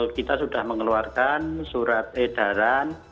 kita sudah mengeluarkan surat edaran